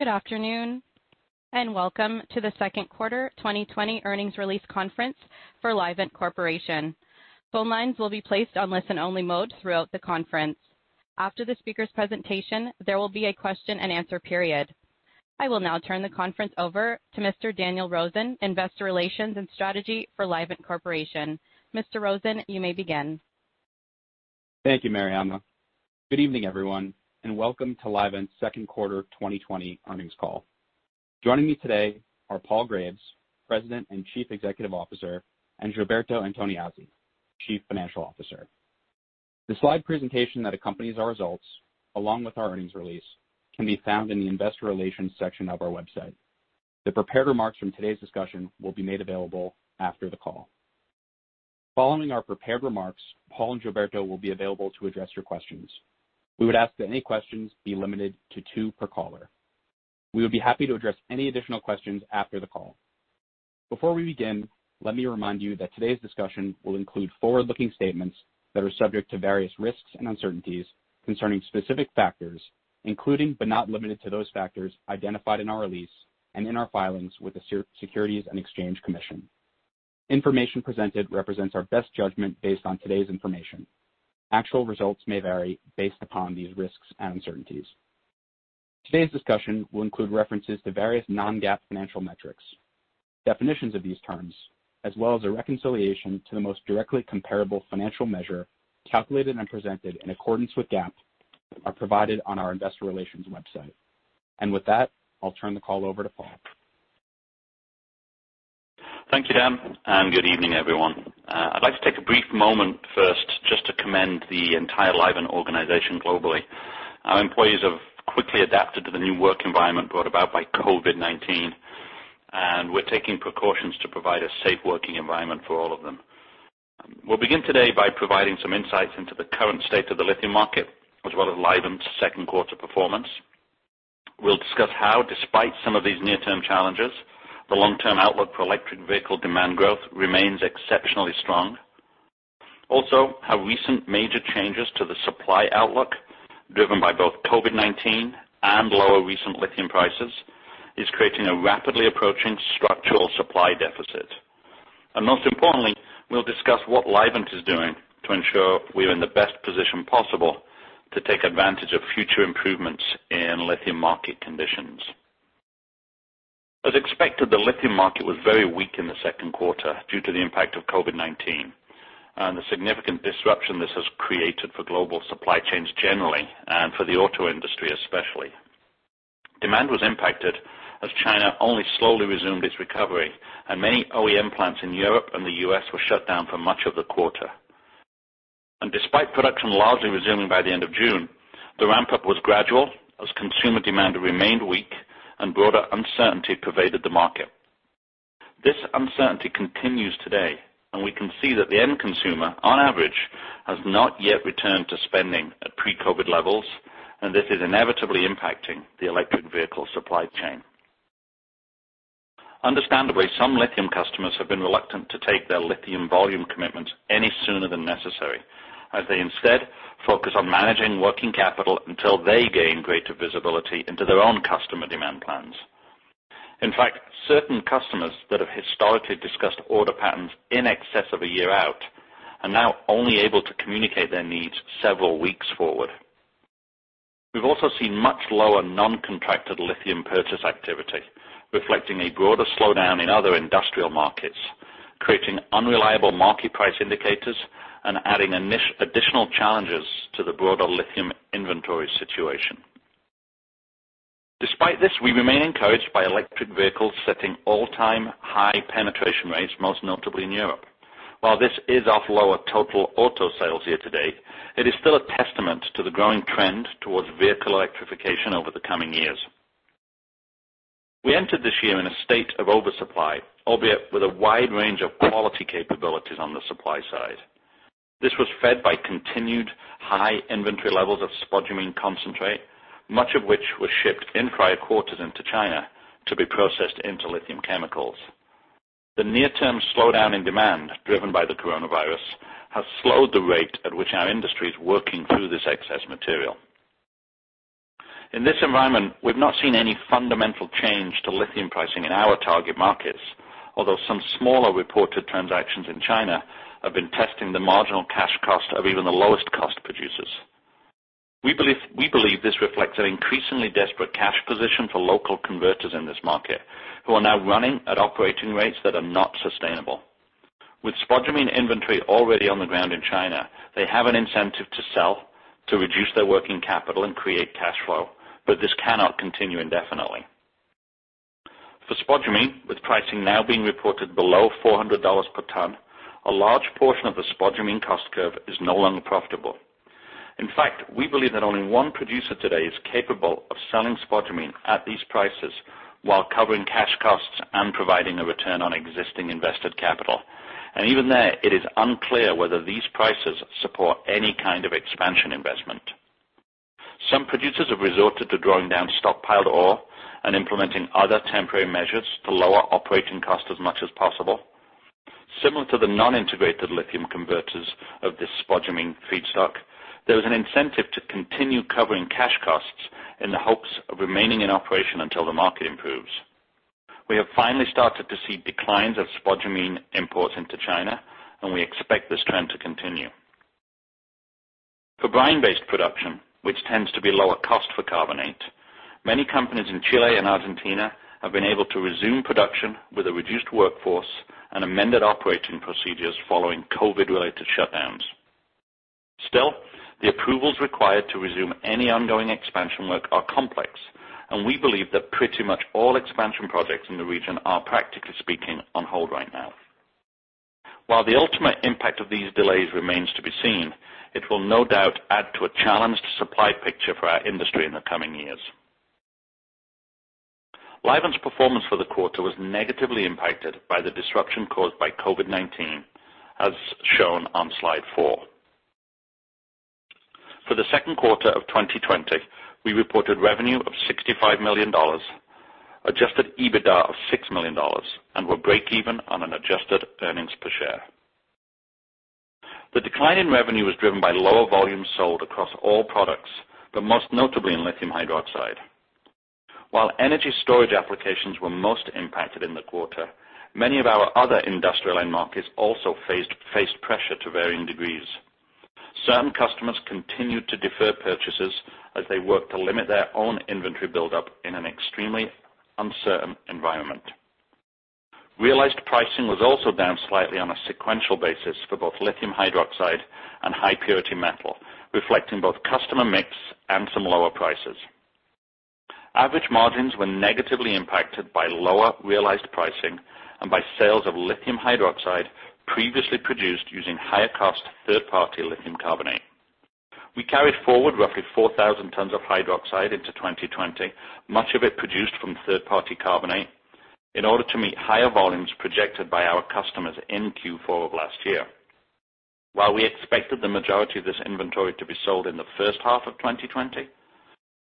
Good afternoon, and welcome to the second quarter 2020 earnings release conference for Livent Corporation. Phone lines will be placed on listen-only mode throughout the conference. After the speaker's presentation, there will be a question and answer period. I will now turn the conference over to Mr. Daniel Rosen, investor relations and strategy for Livent Corporation. Mr. Rosen, you may begin. Thank you, Marianna. Good evening, everyone, and welcome to Livent's second quarter 2020 earnings call. Joining me today are Paul Graves, President and Chief Executive Officer, and Gilberto Antoniazzi, Chief Financial Officer. The slide presentation that accompanies our results, along with our earnings release, can be found in the investor relations section of our website. The prepared remarks from today's discussion will be made available after the call. Following our prepared remarks, Paul and Gilberto will be available to address your questions. We would ask that any questions be limited to two per caller. We would be happy to address any additional questions after the call. Before we begin, let me remind you that today's discussion will include forward-looking statements that are subject to various risks and uncertainties concerning specific factors, including, but not limited to those factors identified in our release and in our filings with the Securities and Exchange Commission. Information presented represents our best judgment based on today's information. Actual results may vary based upon these risks and uncertainties. Today's discussion will include references to various non-GAAP financial metrics. Definitions of these terms, as well as a reconciliation to the most directly comparable financial measure calculated and presented in accordance with GAAP, are provided on our investor relations website. With that, I'll turn the call over to Paul. Thank you, Dan, and good evening, everyone. I'd like to take a brief moment first just to commend the entire Livent organization globally. Our employees have quickly adapted to the new work environment brought about by COVID-19, and we're taking precautions to provide a safe working environment for all of them. We'll begin today by providing some insights into the current state of the lithium market, as well as Livent's second quarter performance. We'll discuss how, despite some of these near-term challenges, the long-term outlook for electric vehicle demand growth remains exceptionally strong. How recent major changes to the supply outlook, driven by both COVID-19 and lower recent lithium prices, is creating a rapidly approaching structural supply deficit. Most importantly, we'll discuss what Livent is doing to ensure we're in the best position possible to take advantage of future improvements in lithium market conditions. As expected, the lithium market was very weak in the second quarter due to the impact of COVID-19 and the significant disruption this has created for global supply chains generally, and for the auto industry especially. Demand was impacted as China only slowly resumed its recovery, and many OEM plants in Europe and the U.S. were shut down for much of the quarter. Despite production largely resuming by the end of June, the ramp-up was gradual as consumer demand remained weak and broader uncertainty pervaded the market. This uncertainty continues today, and we can see that the end consumer, on average, has not yet returned to spending at pre-COVID levels, and this is inevitably impacting the electric vehicle supply chain. Understandably, some lithium customers have been reluctant to take their lithium volume commitments any sooner than necessary, as they instead focus on managing working capital until they gain greater visibility into their own customer demand plans. In fact, certain customers that have historically discussed order patterns in excess of a year out are now only able to communicate their needs several weeks forward. We've also seen much lower non-contracted lithium purchase activity, reflecting a broader slowdown in other industrial markets, creating unreliable market price indicators and adding additional challenges to the broader lithium inventory situation. Despite this, we remain encouraged by electric vehicles setting all-time high penetration rates, most notably in Europe. While this is off lower total auto sales year-to-date, it is still a testament to the growing trend towards vehicle electrification over the coming years. We entered this year in a state of oversupply, albeit with a wide range of quality capabilities on the supply side. This was fed by continued high inventory levels of spodumene concentrate, much of which was shipped in prior quarters into China to be processed into lithium chemicals. The near-term slowdown in demand driven by the coronavirus has slowed the rate at which our industry is working through this excess material. In this environment, we've not seen any fundamental change to lithium pricing in our target markets, although some smaller reported transactions in China have been testing the marginal cash cost of even the lowest-cost producers. We believe this reflects an increasingly desperate cash position for local converters in this market, who are now running at operating rates that are not sustainable. With spodumene inventory already on the ground in China, they have an incentive to sell to reduce their working capital and create cash flow, but this cannot continue indefinitely. For spodumene, with pricing now being reported below $400 per ton, a large portion of the spodumene cost curve is no longer profitable. In fact, we believe that only one producer today is capable of selling spodumene at these prices while covering cash costs and providing a return on existing invested capital. Even there, it is unclear whether these prices support any kind of expansion investment. Some producers have resorted to drawing down stockpiled ore and implementing other temporary measures to lower operating costs as much as possible. Similar to the non-integrated lithium converters of this spodumene feedstock, there is an incentive to continue covering cash costs in the hopes of remaining in operation until the market improves. We have finally started to see declines of spodumene imports into China, and we expect this trend to continue. For brine-based production, which tends to be lower cost for carbonate, many companies in Chile and Argentina have been able to resume production with a reduced workforce and amended operating procedures following COVID-related shutdowns. Still, the approvals required to resume any ongoing expansion work are complex, and we believe that pretty much all expansion projects in the region are, practically speaking, on hold right now. While the ultimate impact of these delays remains to be seen, it will no doubt add to a challenged supply picture for our industry in the coming years. Livent's performance for the quarter was negatively impacted by the disruption caused by COVID-19, as shown on slide four. For the second quarter of 2020, we reported revenue of $65 million, adjusted EBITDA of $6 million, and were breakeven on an adjusted earnings per share. The decline in revenue was driven by lower volumes sold across all products, but most notably in lithium hydroxide. While energy storage applications were most impacted in the quarter, many of our other industrial end markets also faced pressure to varying degrees. Certain customers continued to defer purchases as they worked to limit their own inventory buildup in an extremely uncertain environment. Realized pricing was also down slightly on a sequential basis for both lithium hydroxide and high-purity metal, reflecting both customer mix and some lower prices. Average margins were negatively impacted by lower realized pricing and by sales of lithium hydroxide previously produced using higher cost third-party lithium carbonate. We carried forward roughly 4,000 tons of hydroxide into 2020, much of it produced from third-party carbonate, in order to meet higher volumes projected by our customers in Q4 of last year. While we expected the majority of this inventory to be sold in the first half of 2020,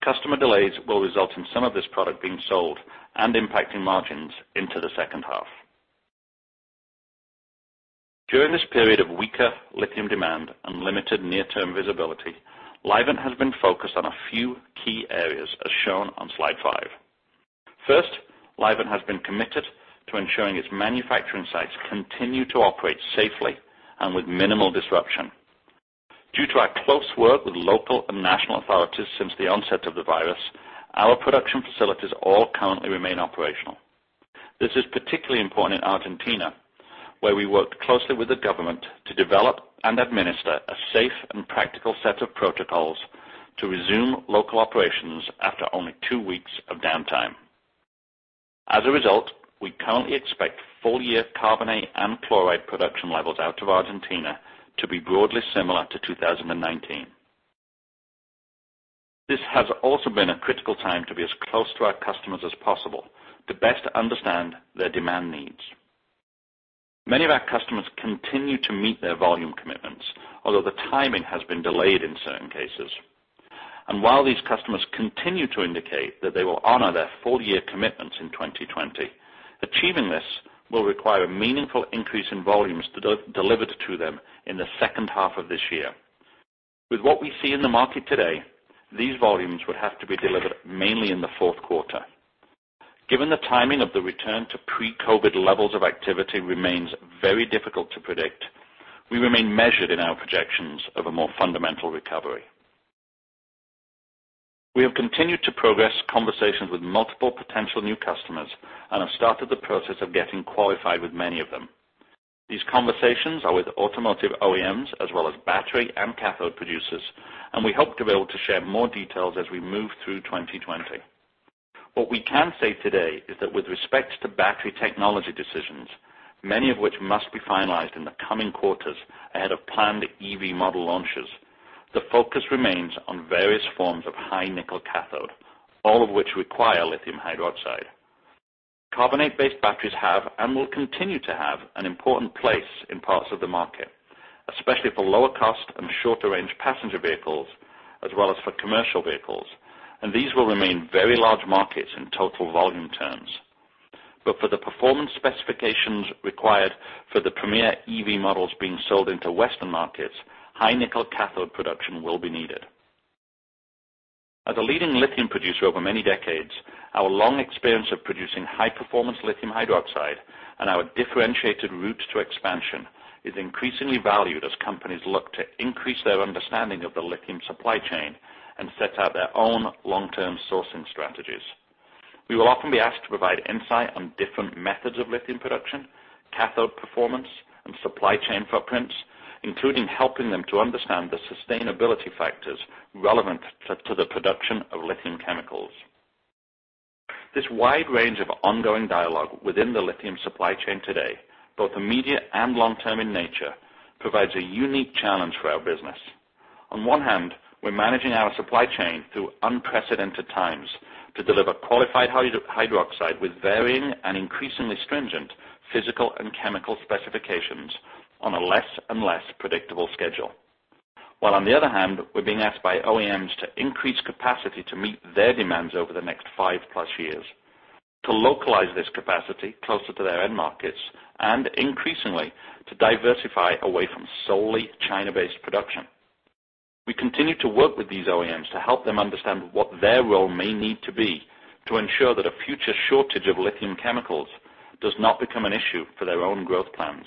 customer delays will result in some of this product being sold and impacting margins into the second half. During this period of weaker lithium demand and limited near-term visibility, Livent has been focused on a few key areas, as shown on slide five. First, Livent has been committed to ensuring its manufacturing sites continue to operate safely and with minimal disruption. Due to our close work with local and national authorities since the onset of the virus, our production facilities all currently remain operational. This is particularly important in Argentina, where we worked closely with the government to develop and administer a safe and practical set of protocols to resume local operations after only two weeks of downtime. As a result, we currently expect full-year carbonate and chloride production levels out of Argentina to be broadly similar to 2019. This has also been a critical time to be as close to our customers as possible to best understand their demand needs. Many of our customers continue to meet their volume commitments, although the timing has been delayed in certain cases. While these customers continue to indicate that they will honor their full-year commitments in 2020, achieving this will require a meaningful increase in volumes delivered to them in the second half of this year. With what we see in the market today, these volumes would have to be delivered mainly in the fourth quarter. Given the timing of the return to pre-COVID-19 levels of activity remains very difficult to predict, we remain measured in our projections of a more fundamental recovery. We have continued to progress conversations with multiple potential new customers and have started the process of getting qualified with many of them. These conversations are with automotive OEMs as well as battery and cathode producers, and we hope to be able to share more details as we move through 2020. What we can say today is that with respect to battery technology decisions, many of which must be finalized in the coming quarters ahead of planned EV model launches, the focus remains on various forms of high nickel cathode, all of which require lithium hydroxide. Carbonate-based batteries have and will continue to have an important place in parts of the market, especially for lower cost and shorter range passenger vehicles, as well as for commercial vehicles, and these will remain very large markets in total volume terms. For the performance specifications required for the premier EV models being sold into Western markets, high nickel cathode production will be needed. As a leading lithium producer over many decades, our long experience of producing high-performance lithium hydroxide and our differentiated route to expansion is increasingly valued as companies look to increase their understanding of the lithium supply chain and set out their own long-term sourcing strategies. We will often be asked to provide insight on different methods of lithium production, cathode performance, and supply chain footprints, including helping them to understand the sustainability factors relevant to the production of lithium chemicals. This wide range of ongoing dialogue within the lithium supply chain today, both immediate and long-term in nature, provides a unique challenge for our business. On one hand, we're managing our supply chain through unprecedented times to deliver qualified hydroxide with varying and increasingly stringent physical and chemical specifications on a less and less predictable schedule. While on the other hand, we're being asked by OEMs to increase capacity to meet their demands over the next 5-plus years, to localize this capacity closer to their end markets, and increasingly, to diversify away from solely China-based production. We continue to work with these OEMs to help them understand what their role may need to be to ensure that a future shortage of lithium chemicals does not become an issue for their own growth plans.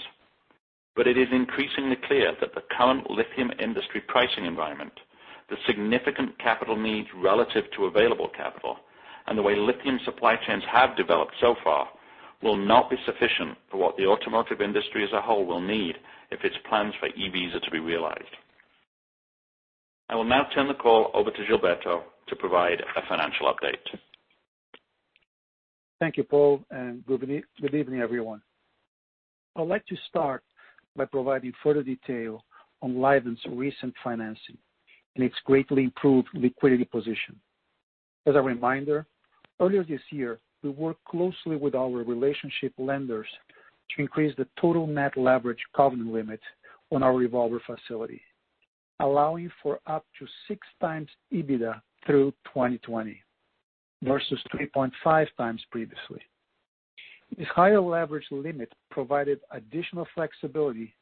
It is increasingly clear that the current lithium industry pricing environment, the significant capital needs relative to available capital, and the way lithium supply chains have developed so far, will not be sufficient for what the automotive industry as a whole will need if its plans for EVs are to be realized. I will now turn the call over to Gilberto to provide a financial update. Thank you, Paul, and good evening everyone. I'd like to start by providing further detail on Livent's recent financing and its greatly improved liquidity position. As a reminder, earlier this year, we worked closely with our relationship lenders to increase the total net leverage covenant limit on our revolver facility, allowing for up to six times EBITDA through 2020 versus three point five times previously. This higher leverage limit provided additional flexibility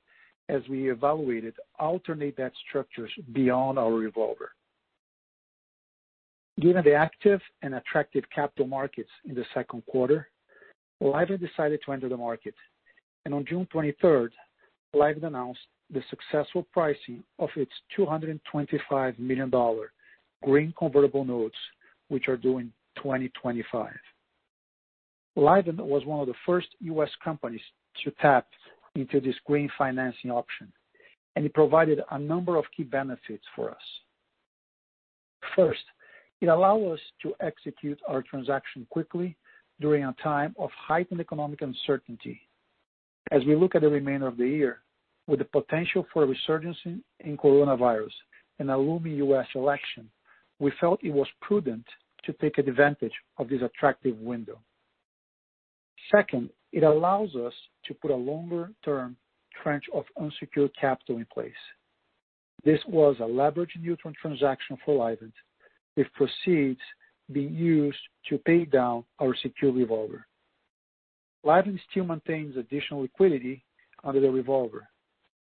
as we evaluated alternate debt structures beyond our revolver. Given the active and attractive capital markets in the second quarter, Livent decided to enter the market. On June 23rd, Livent announced the successful pricing of its $225 million green convertible notes, which are due in 2025. Livent was one of the first U.S. companies to tap into this green financing option, and it provided a number of key benefits for us. First, it allows us to execute our transaction quickly during a time of heightened economic uncertainty. As we look at the remainder of the year, with the potential for a resurgence in coronavirus and a looming U.S. election, we felt it was prudent to take advantage of this attractive window. Second, it allows us to put a longer-term tranche of unsecured capital in place. This was a leverage-neutral transaction for Livent, with proceeds being used to pay down our secured revolver. Livent still maintains additional liquidity under the revolver.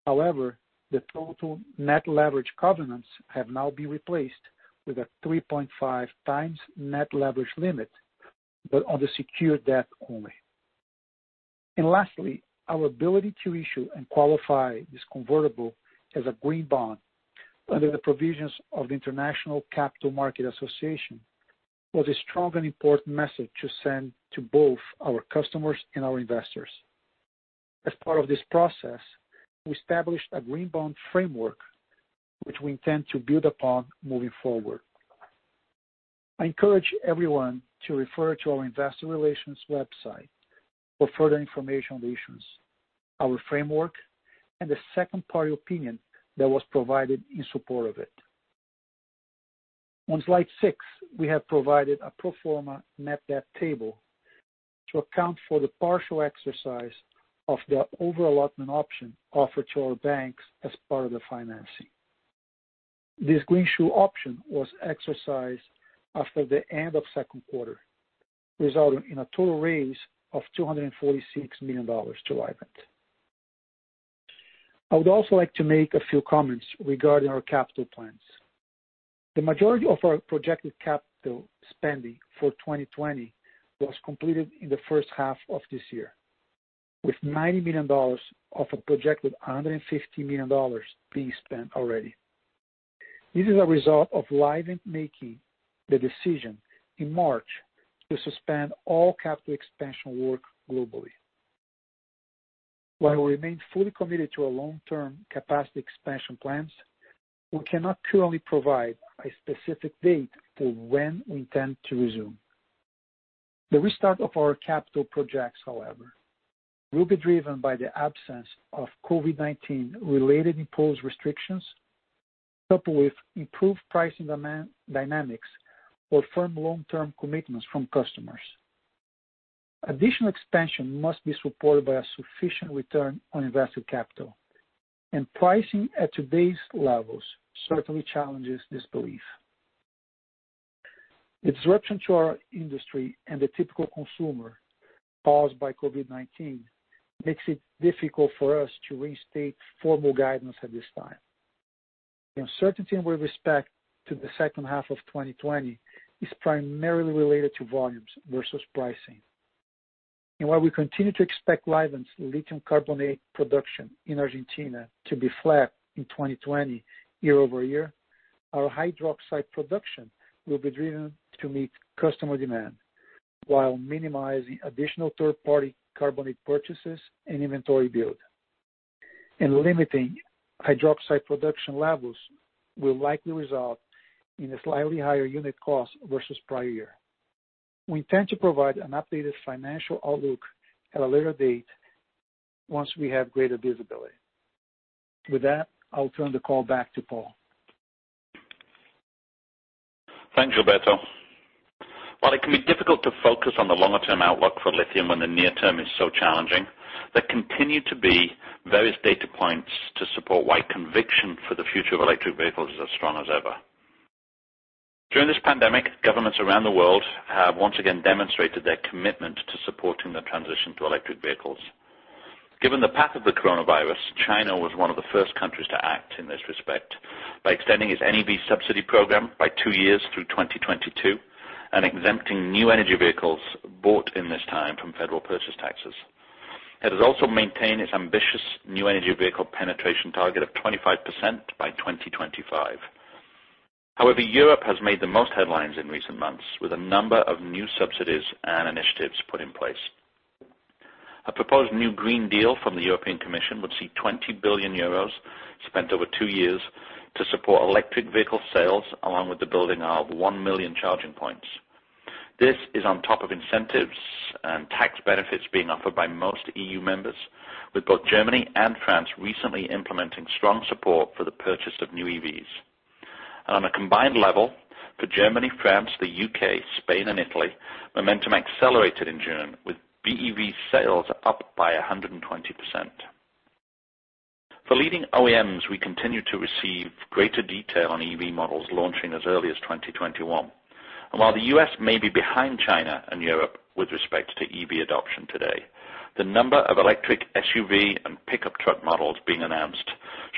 The total net leverage covenants have now been replaced with a 3.5x net leverage limit, but on the secured debt only. Lastly, our ability to issue and qualify this convertible as a green bond under the provisions of the International Capital Market Association was a strong and important message to send to both our customers and our investors. As part of this process, we established a green bond framework, which we intend to build upon moving forward. I encourage everyone to refer to our investor relations website for further information on the issues, our framework, and the second-party opinion that was provided in support of it. On slide six, we have provided a pro forma net debt table to account for the partial exercise of the overallotment option offered to our banks as part of the financing. This greenshoe option was exercised after the end of second quarter, resulting in a total raise of $246 million to Livent. I would also like to make a few comments regarding our capital plans. The majority of our projected capital spending for 2020 was completed in the first half of this year, with $90 million of a projected $150 million being spent already. This is a result of Livent making the decision in March to suspend all capital expansion work globally. While we remain fully committed to our long-term capacity expansion plans, we cannot currently provide a specific date for when we intend to resume. The restart of our capital projects, however, will be driven by the absence of COVID-19 related imposed restrictions, coupled with improved pricing demand dynamics or firm long-term commitments from customers. Additional expansion must be supported by a sufficient return on invested capital, and pricing at today's levels certainly challenges this belief. The disruption to our industry and the typical consumer caused by COVID-19 makes it difficult for us to reinstate formal guidance at this time. The uncertainty with respect to the second half of 2020 is primarily related to volumes versus pricing. While we continue to expect Livent's lithium carbonate production in Argentina to be flat in 2020 year-over-year, our hydroxide production will be driven to meet customer demand while minimizing additional third-party carbonate purchases and inventory build. Limiting hydroxide production levels will likely result in a slightly higher unit cost versus prior year. We intend to provide an updated financial outlook at a later date once we have greater visibility. With that, I'll turn the call back to Paul. Thanks, Gilberto. While it can be difficult to focus on the longer-term outlook for lithium when the near term is so challenging, there continue to be various data points to support why conviction for the future of electric vehicles is as strong as ever. During this pandemic, governments around the world have once again demonstrated their commitment to supporting the transition to electric vehicles. Given the path of the coronavirus, China was one of the first countries to act in this respect by extending its NEV subsidy program by two years through 2022 and exempting new energy vehicles bought in this time from federal purchase taxes. It has also maintained its ambitious new energy vehicle penetration target of 25% by 2025. However, Europe has made the most headlines in recent months, with a number of new subsidies and initiatives put in place. A proposed new Green Deal from the European Commission would see 20 billion euros spent over two years to support electric vehicle sales, along with the building of 1 million charging points. This is on top of incentives and tax benefits being offered by most EU members, with both Germany and France recently implementing strong support for the purchase of new EVs. On a combined level for Germany, France, the U.K., Spain, and Italy, momentum accelerated in June, with BEV sales up by 120%. For leading OEMs, we continue to receive greater detail on EV models launching as early as 2021. While the U.S. may be behind China and Europe with respect to EV adoption today, the number of electric SUV and pickup truck models being announced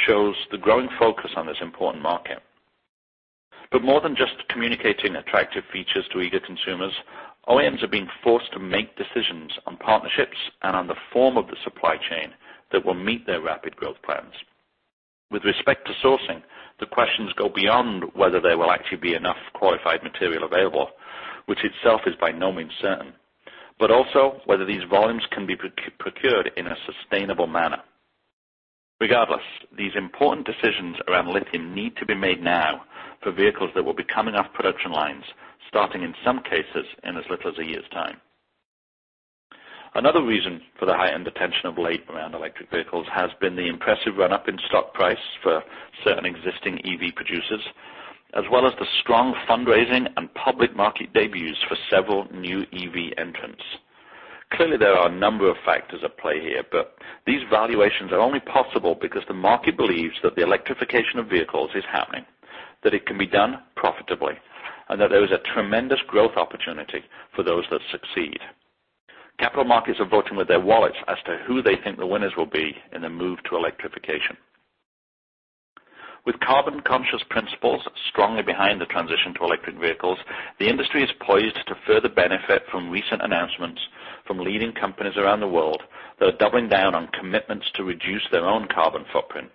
shows the growing focus on this important market. More than just communicating attractive features to eager consumers, OEMs are being forced to make decisions on partnerships and on the form of the supply chain that will meet their rapid growth plans. With respect to sourcing, the questions go beyond whether there will actually be enough qualified material available, which itself is by no means certain, but also whether these volumes can be procured in a sustainable manner. Regardless, these important decisions around lithium need to be made now for vehicles that will be coming off production lines, starting in some cases in as little as a year's time. Another reason for the high-end attention of late around electric vehicles has been the impressive run-up in stock price for certain existing EV producers, as well as the strong fundraising and public market debuts for several new EV entrants. Clearly, there are a number of factors at play here, but these valuations are only possible because the market believes that the electrification of vehicles is happening, that it can be done profitably, and that there is a tremendous growth opportunity for those that succeed. Capital markets are voting with their wallets as to who they think the winners will be in the move to electrification. With carbon-conscious principles strongly behind the transition to electric vehicles, the industry is poised to further benefit from recent announcements from leading companies around the world that are doubling down on commitments to reduce their own carbon footprint.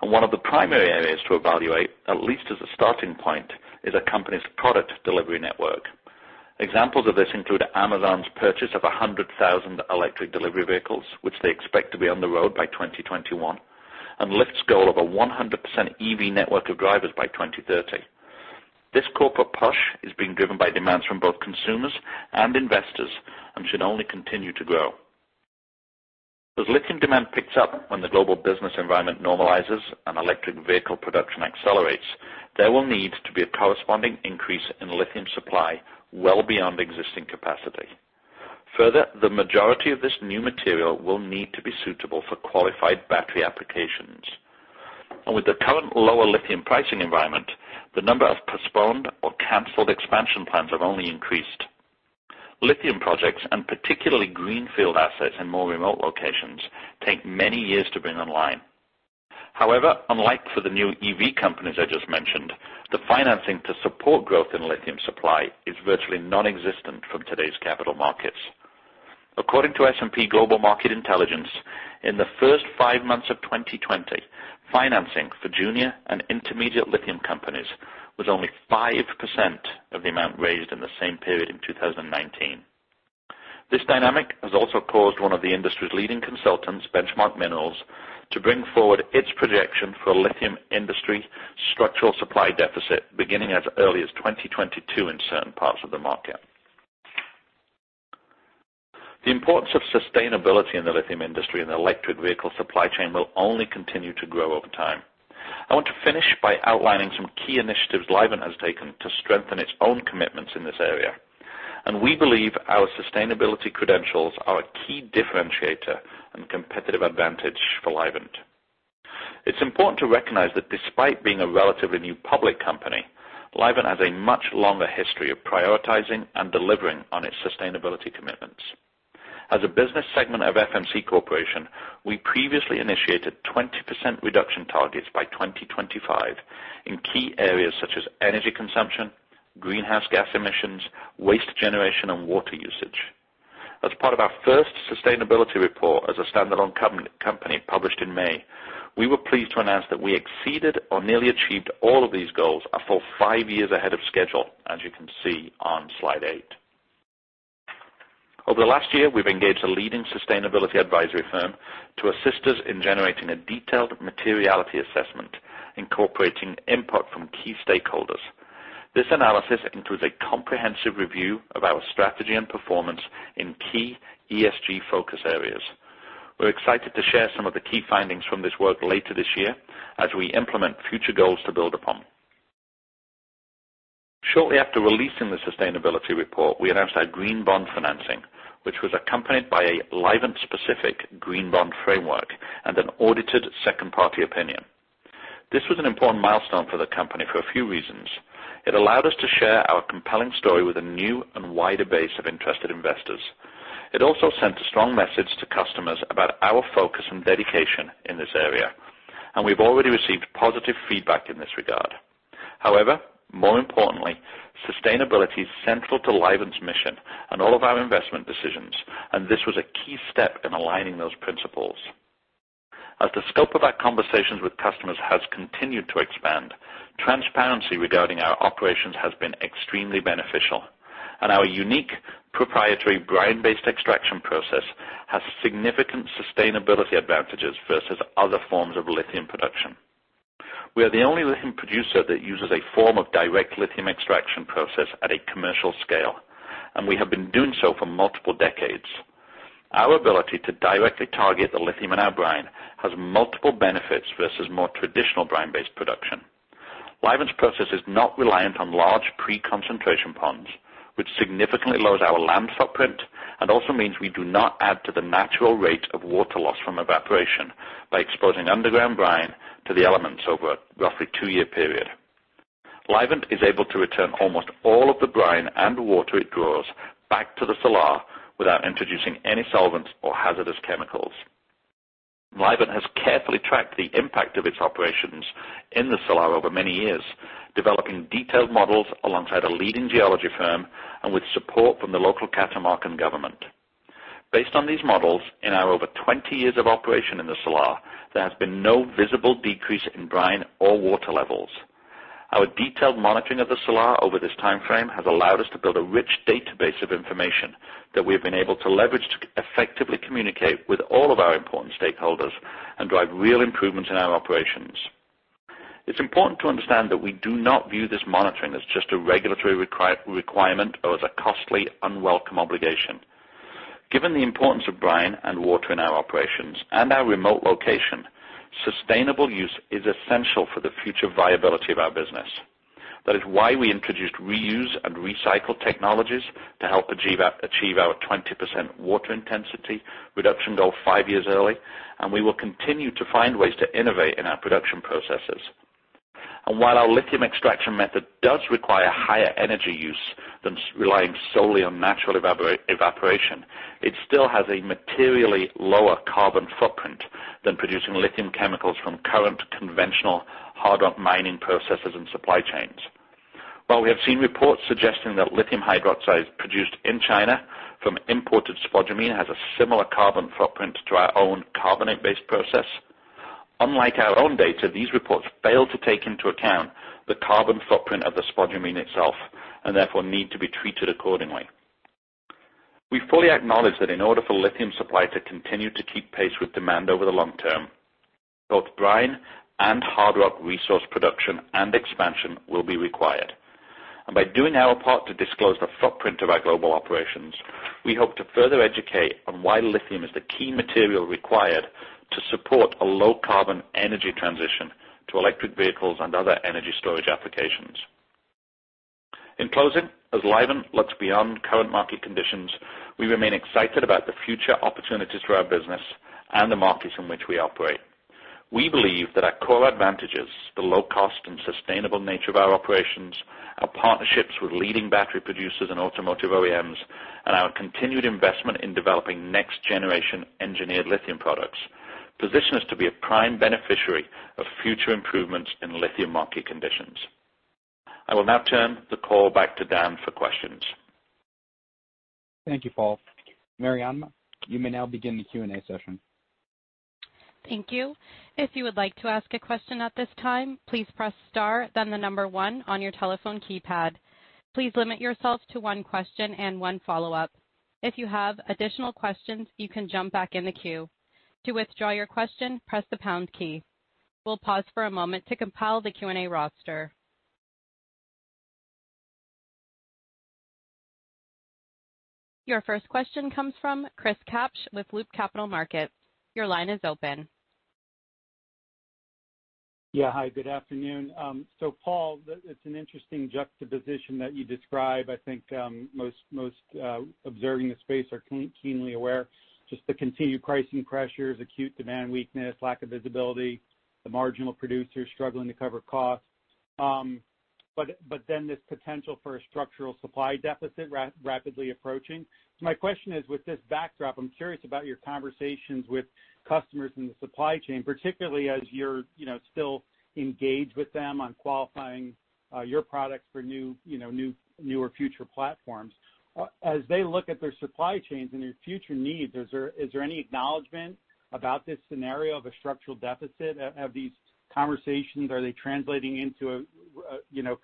One of the primary areas to evaluate, at least as a starting point, is a company's product delivery network. Examples of this include Amazon's purchase of 100,000 electric delivery vehicles, which they expect to be on the road by 2021, and Lyft's goal of a 100% EV network of drivers by 2030. This corporate push is being driven by demands from both consumers and investors and should only continue to grow. As lithium demand picks up when the global business environment normalizes and electric vehicle production accelerates, there will need to be a corresponding increase in lithium supply well beyond existing capacity. Further, the majority of this new material will need to be suitable for qualified battery applications. With the current lower lithium pricing environment, the number of postponed or canceled expansion plans have only increased. Lithium projects, and particularly greenfield assets in more remote locations, take many years to bring online. However, unlike for the new EV companies I just mentioned, the financing to support growth in lithium supply is virtually nonexistent from today's capital markets. According to S&P Global Market Intelligence, in the first five months of 2020, financing for junior and intermediate lithium companies was only 5% of the amount raised in the same period in 2019. This dynamic has also caused one of the industry's leading consultants, Benchmark Minerals, to bring forward its projection for a lithium industry structural supply deficit beginning as early as 2022 in certain parts of the market. The importance of sustainability in the lithium industry and the electric vehicle supply chain will only continue to grow over time. I want to finish by outlining some key initiatives Livent has taken to strengthen its own commitments in this area, and we believe our sustainability credentials are a key differentiator and competitive advantage for Livent. It's important to recognize that despite being a relatively new public company, Livent has a much longer history of prioritizing and delivering on its sustainability commitments. As a business segment of FMC Corporation, we previously initiated 20% reduction targets by 2025 in key areas such as energy consumption, greenhouse gas emissions, waste generation, and water usage. As part of our first sustainability report as a standalone company published in May, we were pleased to announce that we exceeded or nearly achieved all of these goals a full five years ahead of schedule, as you can see on slide eight. Over the last year, we've engaged a leading sustainability advisory firm to assist us in generating a detailed materiality assessment incorporating input from key stakeholders. This analysis includes a comprehensive review of our strategy and performance in key ESG focus areas. We're excited to share some of the key findings from this work later this year as we implement future goals to build upon. Shortly after releasing the sustainability report, we announced our green bond financing, which was accompanied by a Livent specific green bond framework and an audited second-party opinion. This was an important milestone for the company for a few reasons. It allowed us to share our compelling story with a new and wider base of interested investors. It also sent a strong message to customers about our focus and dedication in this area, and we've already received positive feedback in this regard. However, more importantly, sustainability is central to Livent's mission and all of our investment decisions, and this was a key step in aligning those principles. As the scope of our conversations with customers has continued to expand, transparency regarding our operations has been extremely beneficial, and our unique proprietary brine-based extraction process has significant sustainability advantages versus other forms of lithium production. We are the only lithium producer that uses a form of direct lithium extraction process at a commercial scale, and we have been doing so for multiple decades. Our ability to directly target the lithium in our brine has multiple benefits versus more traditional brine-based production. Livent's process is not reliant on large pre-concentration ponds, which significantly lowers our land footprint and also means we do not add to the natural rate of water loss from evaporation by exposing underground brine to the elements over a roughly two-year period. Livent is able to return almost all of the brine and water it draws back to the salar without introducing any solvents or hazardous chemicals. Livent has carefully tracked the impact of its operations in the salar over many years, developing detailed models alongside a leading geology firm and with support from the local Catamarca government. Based on these models, in our over 20 years of operation in the salar, there has been no visible decrease in brine or water levels. Our detailed monitoring of the salar over this timeframe has allowed us to build a rich database of information that we have been able to leverage to effectively communicate with all of our important stakeholders and drive real improvements in our operations. It's important to understand that we do not view this monitoring as just a regulatory requirement or as a costly, unwelcome obligation. Given the importance of brine and water in our operations and our remote location, sustainable use is essential for the future viability of our business. That is why we introduced reuse and recycle technologies to help achieve our 20% water intensity reduction goal five years early, and we will continue to find ways to innovate in our production processes. While our lithium extraction method does require higher energy use than relying solely on natural evaporation, it still has a materially lower carbon footprint than producing lithium chemicals from current conventional hard rock mining processes and supply chains. While we have seen reports suggesting that lithium hydroxide produced in China from imported spodumene has a similar carbon footprint to our own carbonate-based process, unlike our own data, these reports fail to take into account the carbon footprint of the spodumene itself, and therefore need to be treated accordingly. We fully acknowledge that in order for lithium supply to continue to keep pace with demand over the long term, both brine and hard rock resource production and expansion will be required. By doing our part to disclose the footprint of our global operations, we hope to further educate on why lithium is the key material required to support a low carbon energy transition to electric vehicles and other energy storage applications. In closing, as Livent looks beyond current market conditions, we remain excited about the future opportunities for our business and the markets in which we operate. We believe that our core advantages, the low cost and sustainable nature of our operations, our partnerships with leading battery producers and automotive OEMs, and our continued investment in developing next generation engineered lithium products position us to be a prime beneficiary of future improvements in lithium market conditions. I will now turn the call back to Dan for questions. Thank you, Paul. Marianne, you may now begin the Q&A session. Thank you. If you would like to ask a question at this time, please press star, then the number one on your telephone keypad. Please limit yourself to one question and one follow-up. If you have additional questions, you can jump back in the queue. To withdraw your question, press the pound key. We will pause for a moment to compile the Q&A roster. Your first question comes from Chris Kapsch with Loop Capital Markets. Your line is open. Hi, good afternoon. Paul, it's an interesting juxtaposition that you describe. I think most observing the space are keenly aware, just the continued pricing pressures, acute demand weakness, lack of visibility, the marginal producers struggling to cover costs. This potential for a structural supply deficit rapidly approaching. My question is, with this backdrop, I'm curious about your conversations with customers in the supply chain, particularly as you're still engaged with them on qualifying your products for newer future platforms. As they look at their supply chains and their future needs, is there any acknowledgment about this scenario of a structural deficit? Have these conversations, are they translating into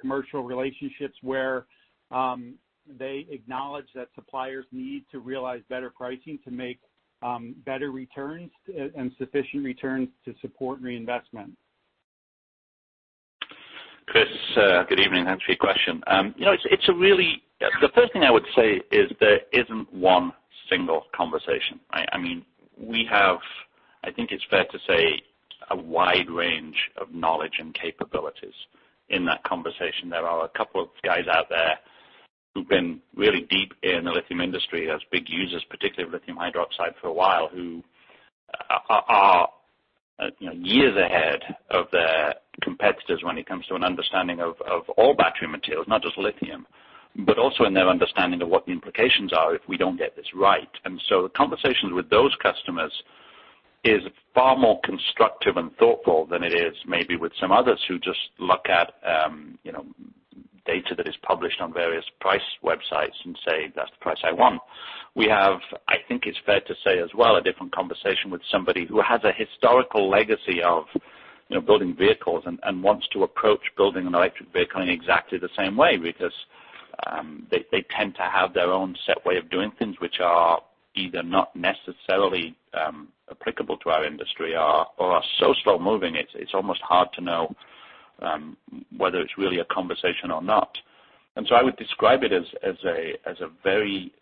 commercial relationships where they acknowledge that suppliers need to realize better pricing to make better returns and sufficient returns to support reinvestment? Chris, good evening. Thanks for your question. The first thing I would say is there isn't one single conversation. I mean, we have, I think it's fair to say, a wide range of knowledge and capabilities in that conversation. There are a couple of guys out there who've been really deep in the lithium industry as big users, particularly of lithium hydroxide for a while, who are years ahead of their competitors when it comes to an understanding of all battery materials, not just lithium. Also in their understanding of what the implications are if we don't get this right. The conversations with those customers is far more constructive and thoughtful than it is maybe with some others who just look at data that is published on various price websites and say, "That's the price I want." We have, I think it's fair to say as well, a different conversation with somebody who has a historical legacy of building vehicles and wants to approach building an electric vehicle in exactly the same way because they tend to have their own set way of doing things which are either not necessarily applicable to our industry or are so slow moving, it's almost hard to know whether it's really a conversation or not. I would describe it as a very,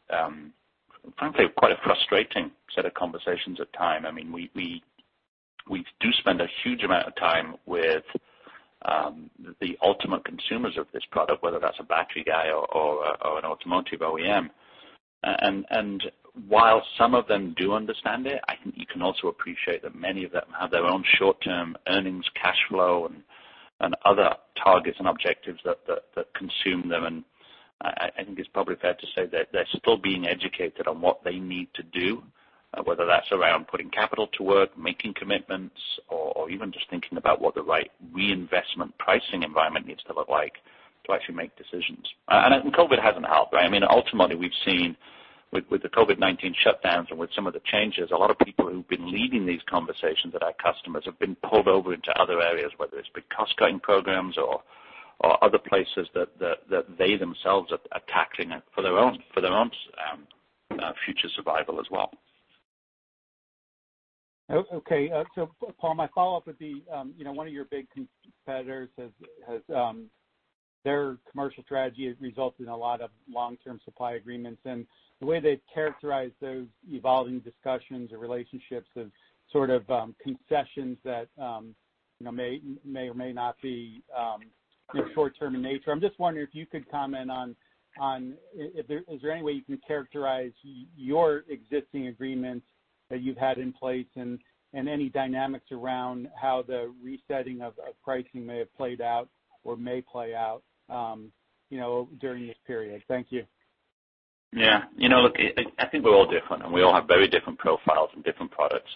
frankly, quite a frustrating set of conversations at time. I mean, we do spend a huge amount of time with the ultimate consumers of this product, whether that's a battery guy or an automotive OEM. While some of them do understand it, I think you can also appreciate that many of them have their own short-term earnings, cash flow, and other targets and objectives that consume them. I think it's probably fair to say they're still being educated on what they need to do, whether that's around putting capital to work, making commitments, or even just thinking about what the right reinvestment pricing environment needs to look like to actually make decisions. COVID-19 hasn't helped. I mean, ultimately, we've seen with the COVID-19 shutdowns and with some of the changes, a lot of people who've been leading these conversations at our customers have been pulled over into other areas, whether it's been cost-cutting programs or other places that they themselves are tackling it for their own future survival as well. Paul, my follow-up would be one of your big competitors has their commercial strategy has resulted in a lot of long-term supply agreements. The way they've characterized those evolving discussions or relationships of sort of concessions that may or may not be in short-term in nature. I'm just wondering if you could comment on, is there any way you can characterize your existing agreements that you've had in place and any dynamics around how the resetting of pricing may have played out or may play out during this period. Thank you. Yeah. Look, I think we're all different, and we all have very different profiles and different products.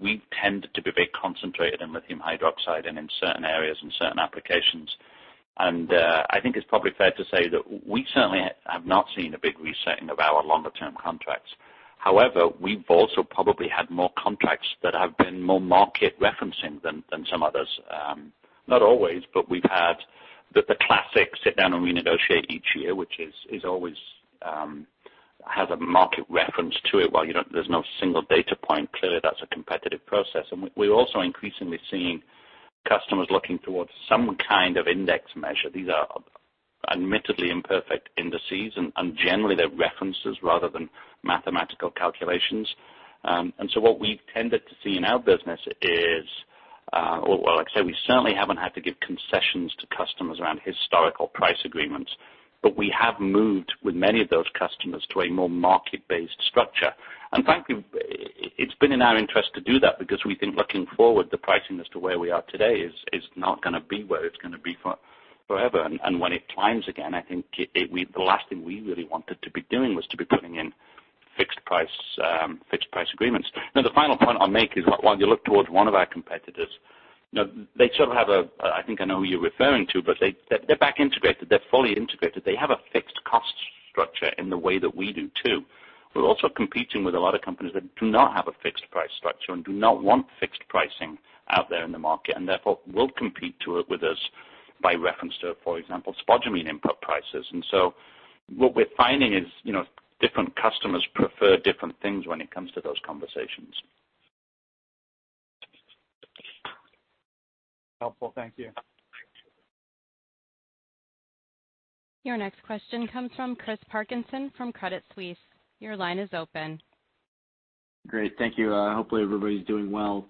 We tend to be very concentrated in lithium hydroxide and in certain areas and certain applications. I think it's probably fair to say that we certainly have not seen a big resetting of our longer term contracts. However, we've also probably had more contracts that have been more market referencing than some others. Not always, but we've had the classic sit down and renegotiate each year, which always has a market reference to it. While there's no single data point, clearly that's a competitive process. We're also increasingly seeing customers looking towards some kind of index measure. These are admittedly imperfect indices, and generally they're references rather than mathematical calculations. What we've tended to see in our business is, or like I say, we certainly haven't had to give concessions to customers around historical price agreements, but we have moved with many of those customers to a more market-based structure. Frankly, it's been in our interest to do that because we think looking forward, the pricing as to where we are today is not going to be where it's going to be forever. When it climbs again, I think the last thing we really wanted to be doing was to be putting in fixed price agreements. The final point I'll make is while you look towards one of our competitors, they sort of have, I think I know who you're referring to, but they're back integrated. They're fully integrated. They have a fixed cost structure in the way that we do too. We're also competing with a lot of companies that do not have a fixed price structure and do not want fixed pricing out there in the market, and therefore will compete with us by reference to, for example, spodumene input prices. What we're finding is different customers prefer different things when it comes to those conversations. Helpful. Thank you. Your next question comes from Chris Parkinson from Credit Suisse. Your line is open. Great. Thank you. Hopefully everybody's doing well.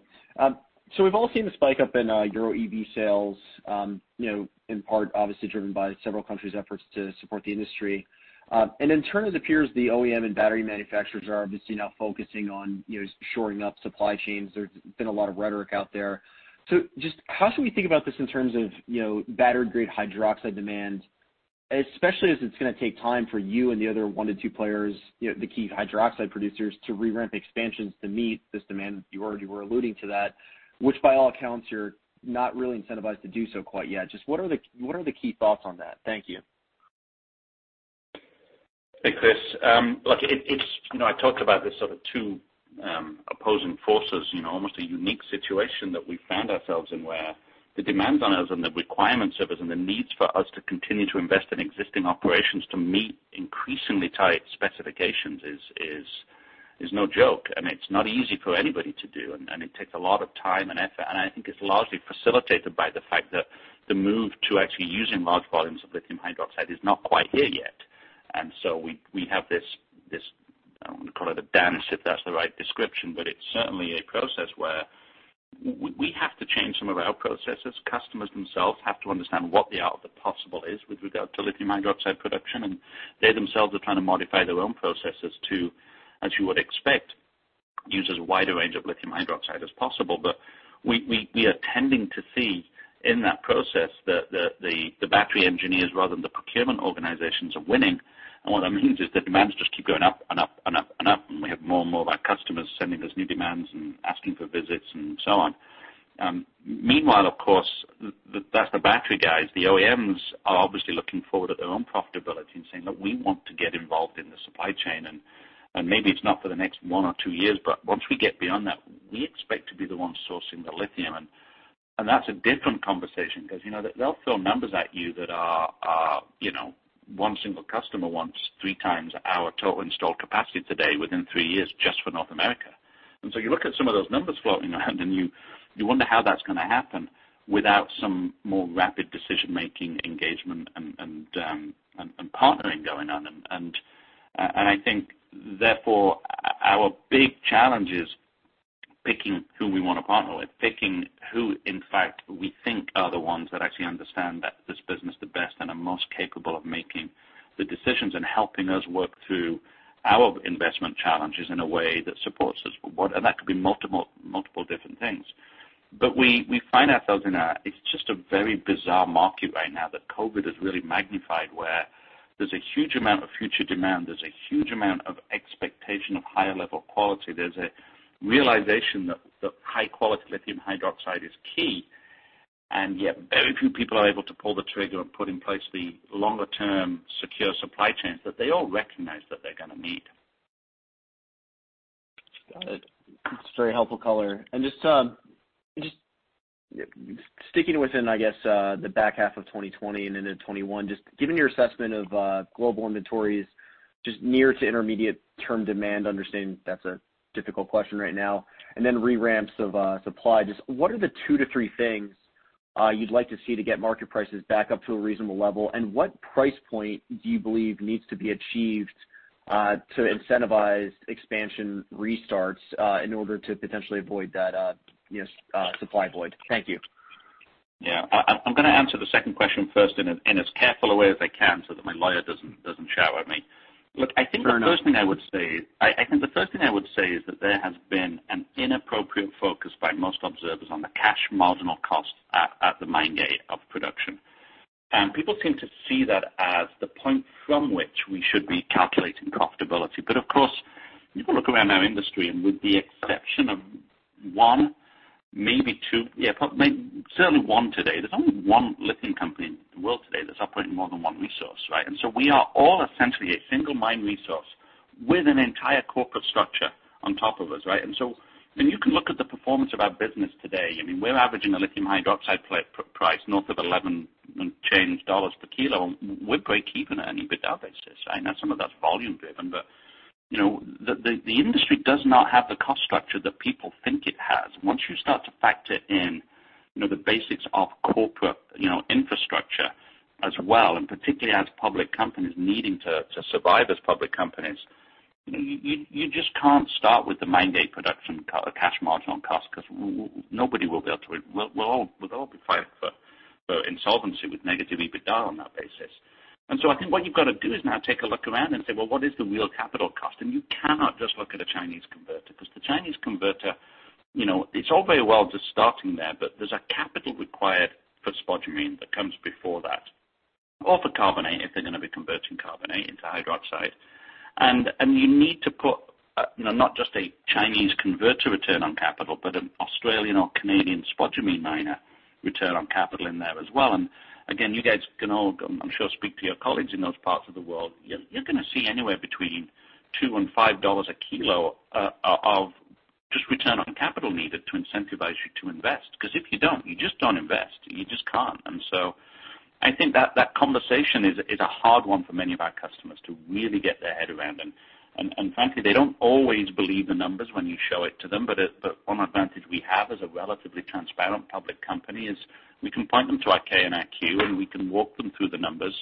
We've all seen the spike up in Euro EV sales, in part obviously driven by several countries' efforts to support the industry. In turn, it appears the OEM and battery manufacturers are obviously now focusing on shoring up supply chains. There's been a lot of rhetoric out there. Just how should we think about this in terms of battery grade hydroxide demand, especially as it's going to take time for you and the other one to two players, the key hydroxide producers, to re-ramp expansions to meet this demand? You already were alluding to that, which by all accounts, you're not really incentivized to do so quite yet. Just what are the key thoughts on that? Thank you. Hey, Chris. I talked about the sort of two opposing forces, almost a unique situation that we found ourselves in, where the demands on us and the requirements of us and the needs for us to continue to invest in existing operations to meet increasingly tight specifications is no joke. I mean, it's not easy for anybody to do, and it takes a lot of time and effort. I think it's largely facilitated by the fact that the move to actually using large volumes of lithium hydroxide is not quite here yet. So we have this, I want to call it a dance, if that's the right description, but it's certainly a process where we have to change some of our processes. Customers themselves have to understand what the output possible is with regard to lithium hydroxide production. They themselves are trying to modify their own processes to, as you would expect, use as wide a range of lithium hydroxide as possible. We are tending to see in that process that the battery engineers, rather than the procurement organizations, are winning. What that means is the demands just keep going up and up. We have more and more of our customers sending us new demands and asking for visits and so on. Meanwhile, of course, that's the battery guys. The OEMs are obviously looking forward at their own profitability and saying, "Look, we want to get involved in the supply chain, and maybe it's not for the next one or two years, but once we get beyond that, we expect to be the ones sourcing the lithium." That's a different conversation because they'll throw numbers at you that are one single customer wants three times our total installed capacity today within three years just for North America. You look at some of those numbers floating around and you wonder how that's going to happen without some more rapid decision-making engagement and partnering going on. I think, therefore, our big challenge is picking who we want to partner with, picking who, in fact, we think are the ones that actually understand that this business the best and are most capable of making the decisions and helping us work through our investment challenges in a way that supports us. That could be multiple different things. It's just a very bizarre market right now that COVID has really magnified, where there's a huge amount of future demand, there's a huge amount of expectation of higher level quality. There's a realization that high quality lithium hydroxide is key, and yet very few people are able to pull the trigger and put in place the longer term secure supply chains that they all recognize that they're going to need. Got it. That's very helpful color. Just sticking within, I guess, the back half of 2020 and into 2021, just given your assessment of global inventories, just near to intermediate term demand, understanding that's a difficult question right now, and then re-ramps of supply, just what are the two to three things you'd like to see to get market prices back up to a reasonable level? What price point do you believe needs to be achieved to incentivize expansion restarts in order to potentially avoid that supply void? Thank you. Yeah. I'm going to answer the second question first in as careful a way as I can so that my lawyer doesn't shout at me. Look, I think the first thing I would say is that there has been an inappropriate focus by most observers on the cash marginal cost at the mine gate of production. People seem to see that as the point from which we should be calculating profitability. Of course, if you look around our industry, and with the exception of one, maybe two, yeah, certainly one today, there's only one lithium company in the world today that's operating more than one resource, right? We are all essentially a single mine resource with an entire corporate structure on top of us, right? When you can look at the performance of our business today, we're averaging a lithium hydroxide price north of $11 and change dollars per kilo. We're break-even at an EBITDA basis. I know some of that's volume driven, but the industry does not have the cost structure that people think it has. Once you start to factor in the basics of corporate infrastructure as well, and particularly as public companies needing to survive as public companies, you just can't start with the mine gate production cash margin on cost because nobody will be able to. We'll all be filed for insolvency with negative EBITDA on that basis. I think what you've got to do is now take a look around and say, "Well, what is the real capital cost?" You cannot just look at a Chinese converter because the Chinese converter, it's all very well just starting there, but there's a capital required for spodumene that comes before that, or for lithium carbonate, if they're going to be converting lithium carbonate into lithium hydroxide. You need to put not just a Chinese converter return on capital, but an Australian or Canadian spodumene miner return on capital in there as well. Again, you guys can all, I'm sure, speak to your colleagues in those parts of the world. You're going to see anywhere between two and five dollars a kilo of just return on capital needed to incentivize you to invest. If you don't, you just don't invest. You just can't. I think that conversation is a hard one for many of our customers to really get their head around. Frankly, they don't always believe the numbers when you show it to them. One advantage we have as a relatively transparent public company is we can point them to our K and our Q, and we can walk them through the numbers,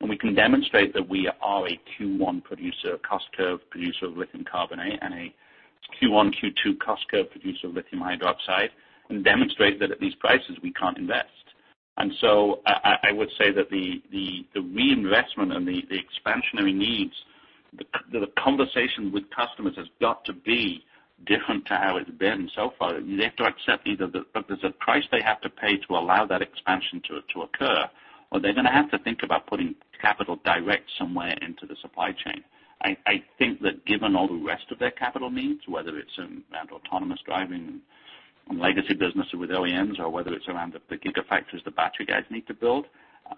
and we can demonstrate that we are a Q1 producer, a cost curve producer of lithium carbonate, and a Q1, Q2 cost curve producer of lithium hydroxide, and demonstrate that at these prices, we can't invest. I would say that the reinvestment and the expansionary needs, the conversation with customers has got to be different to how it's been so far. They have to accept either there's a price they have to pay to allow that expansion to occur, or they're going to have to think about putting capital direct somewhere into the supply chain. I think that given all the rest of their capital needs, whether it's around autonomous driving and legacy business with OEMs or whether it's around the gigafactories the battery guys need to build,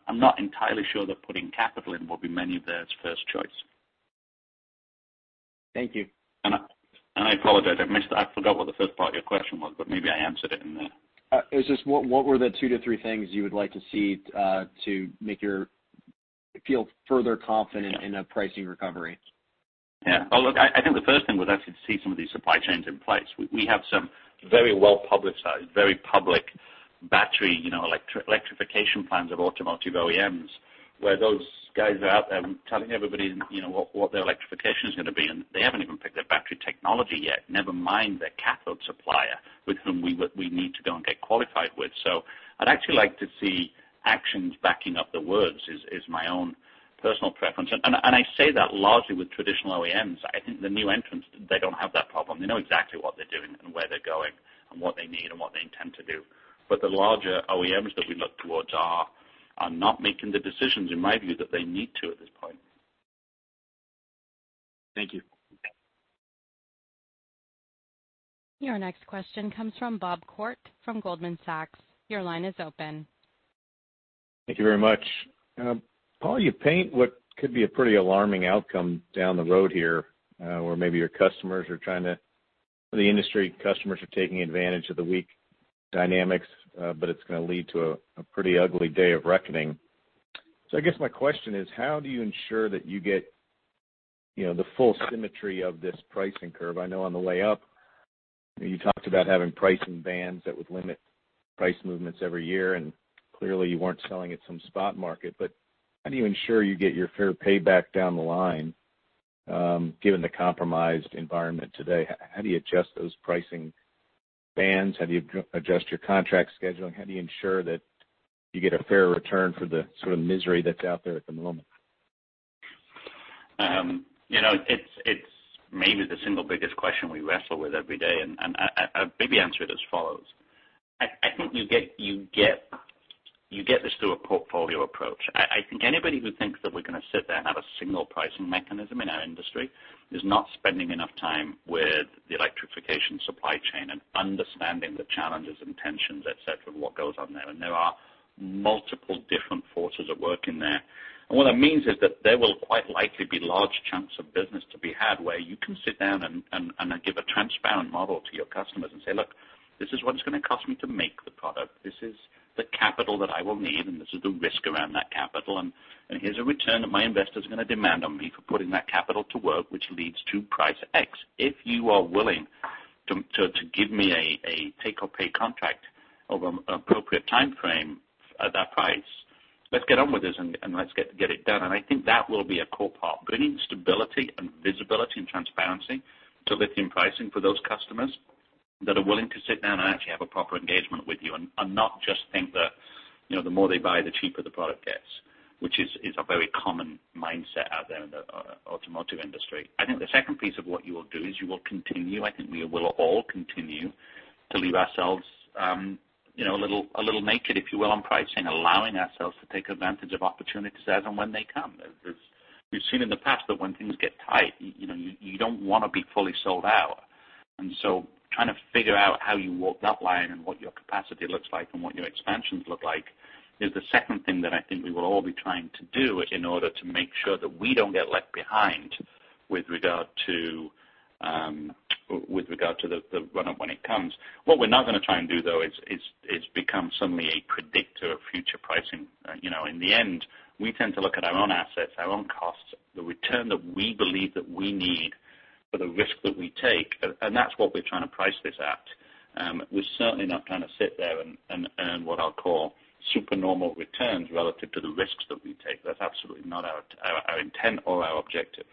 I'm not entirely sure that putting capital in will be many of their first choice. Thank you. I apologize. I forgot what the first part of your question was, but maybe I answered it in there. It was just what were the two to three things you would like to see to make your. Feel further confident in a pricing recovery. Yeah. Oh, look, I think the first thing was actually to see some of these supply chains in place. We have some very well-publicized, very public battery electrification plans of automotive OEMs, where those guys are out there telling everybody what their electrification is going to be, and they haven't even picked their battery technology yet, never mind their cathode supplier, with whom we need to go and get qualified with. I'd actually like to see actions backing up the words, is my own personal preference. I say that largely with traditional OEMs. I think the new entrants, they don't have that problem. They know exactly what they're doing and where they're going and what they need and what they intend to do. The larger OEMs that we look towards are not making the decisions, in my view, that they need to at this point. Thank you. Okay. Your next question comes from Bob Koort from Goldman Sachs. Your line is open. Thank you very much. Paul, you paint what could be a pretty alarming outcome down the road here, where maybe your customers are taking advantage of the weak dynamics, it's going to lead to a pretty ugly day of reckoning. I guess my question is, how do you ensure that you get the full symmetry of this pricing curve? I know on the way up, you talked about having pricing bands that would limit price movements every year, clearly you weren't selling at some spot market. How do you ensure you get your fair pay back down the line, given the compromised environment today? How do you adjust those pricing bands? How do you adjust your contract scheduling? How do you ensure that you get a fair return for the sort of misery that's out there at the moment? It's maybe the single biggest question we wrestle with every day, and I'll maybe answer it as follows. I think you get this through a portfolio approach. I think anybody who thinks that we're going to sit there and have a single pricing mechanism in our industry is not spending enough time with the electrification supply chain and understanding the challenges and tensions, et cetera, what goes on there, and there are multiple different forces at work in there. What that means is that there will quite likely be large chunks of business to be had where you can sit down and give a transparent model to your customers and say, "Look, this is what it's going to cost me to make the product. This is the capital that I will need, and this is the risk around that capital. Here's a return that my investor's going to demand on me for putting that capital to work, which leads to price X. If you are willing to give me a take or pay contract over an appropriate timeframe at that price, let's get on with this and let's get it done." I think that will be a core part. It needs stability and visibility and transparency to lithium pricing for those customers that are willing to sit down and actually have a proper engagement with you and not just think that the more they buy, the cheaper the product gets, which is a very common mindset out there in the automotive industry. I think the second piece of what you will do is you will continue, I think we will all continue, to leave ourselves a little naked, if you will, on pricing, allowing ourselves to take advantage of opportunities as and when they come. We've seen in the past that when things get tight, you don't want to be fully sold out. Trying to figure out how you walk that line and what your capacity looks like and what your expansions look like is the second thing that I think we will all be trying to do in order to make sure that we don't get left behind with regard to the run-up when it comes. What we're not going to try and do, though, is become suddenly a predictor of future pricing. In the end, we tend to look at our own assets, our own costs, the return that we believe that we need for the risk that we take. That's what we're trying to price this at. We're certainly not trying to sit there and earn what I'll call supernormal returns relative to the risks that we take. That's absolutely not our intent or our objective.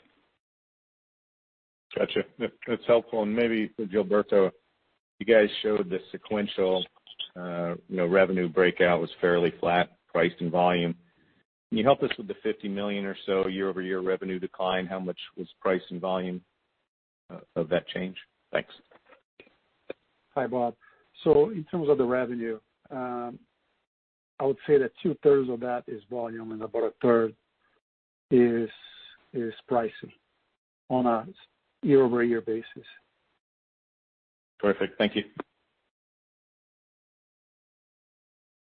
Got you. That's helpful. Maybe Gilberto, you guys showed the sequential revenue breakout was fairly flat, price and volume. Can you help us with the $50 million or so year-over-year revenue decline? How much was price and volume of that change? Thanks. Hi, Bob. In terms of the revenue, I would say that two-thirds of that is volume and about a third is pricing on a year-over-year basis. Terrific. Thank you.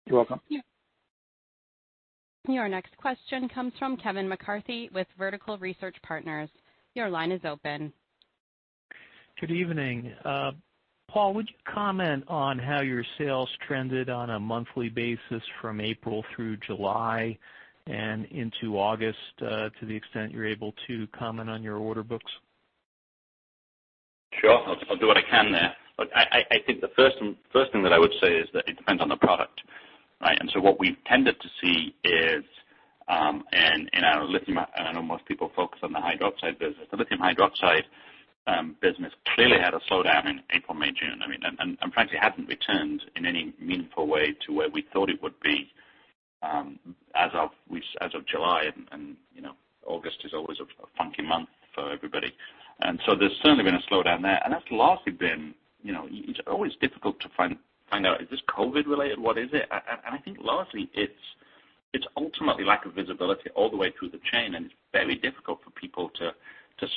You're welcome. Our next question comes from Kevin McCarthy with Vertical Research Partners. Your line is open. Good evening. Paul, would you comment on how your sales trended on a monthly basis from April through July and into August, to the extent you're able to comment on your order books? Sure. I'll do what I can there. Look, I think the first thing that I would say is that it depends on the product. Right? What we've tended to see is, and I know most people focus on the hydroxide business. The lithium hydroxide business clearly had a slowdown in April, May, June. Frankly, hasn't returned in any meaningful way to where we thought it would be as of July, and August is always a funky month for everybody. There's certainly been a slowdown there. That's largely been, it's always difficult to find out, is this COVID related? What is it? I think largely it's ultimately lack of visibility all the way through the chain, and it's very difficult for people to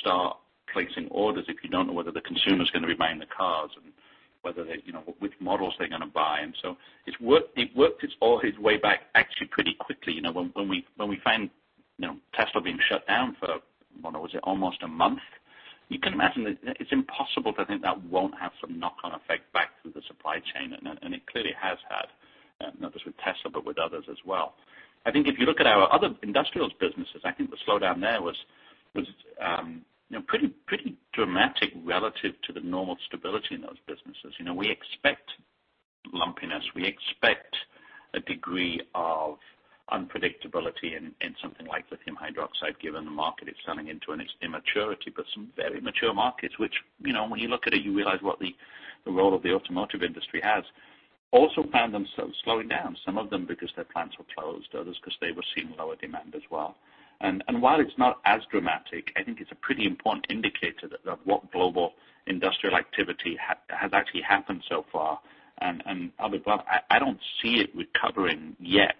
start placing orders if you don't know whether the consumer's going to be buying the cars and which models they're going to buy. It worked its way back actually pretty quickly. When we found it almost a month? You can imagine that it's impossible to think that won't have some knock-on effect back through the supply chain, and it clearly has had, not just with Tesla, but with others as well. I think if you look at our other industrials businesses, I think the slowdown there was pretty dramatic relative to the normal stability in those businesses. We expect lumpiness. We expect a degree of unpredictability in something like lithium hydroxide, given the market it's coming into in its immaturity. Some very mature markets, which when you look at it, you realize what the role of the automotive industry has, also found themselves slowing down, some of them because their plants were closed, others because they were seeing lower demand as well. While it's not as dramatic, I think it's a pretty important indicator that what global industrial activity has actually happened so far and otherwise, I don't see it recovering yet.